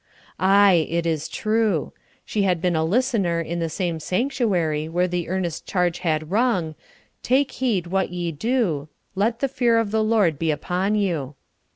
Aye, it is true. She had been a listener in the same sanctuary where the earnest charge had rung, "Take heed what ye do; let the fear of the Lord be upon you."